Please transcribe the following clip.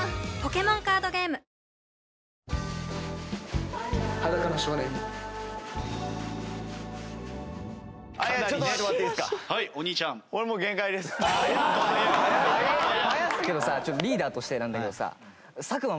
けどさちょっとリーダーとしてなんだけどさ。